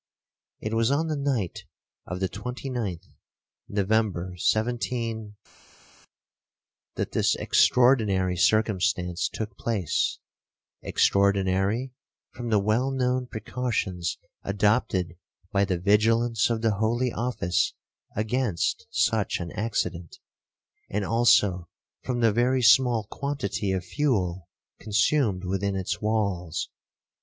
'It was on the night of the 29th November 17—, that this extraordinary circumstance took place—extraordinary from the well known precautions adopted by the vigilance of the holy office against such an accident, and also from the very small quantity of fuel consumed within its walls.